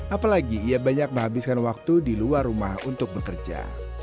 apalagi ia banyak menghabiskan waktu di luar rumah untuk bekerja